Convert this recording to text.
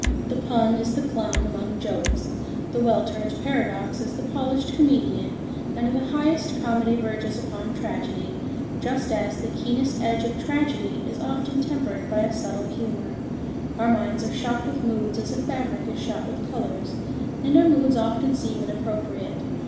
The pun is the clown among jokes, the well turned paradox is the polished comedian, and the highest comedy verges upon tragedy, just as the keenest edge of tragedy is often tempered by a subtle humour. Our minds are shot with moods as a fabric is shot with colours, and our moods often seem inappropriate.